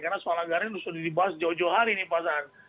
karena soal anggaran sudah dibahas jauh jauh hari di pasangan